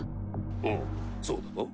ああそうだが？